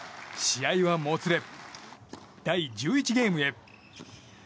試合はもつれ、第１１ゲームへ。